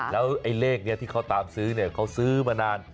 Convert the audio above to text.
แล้วไอ้เลขที่เขาตามซื้อเขาซื้อมานาน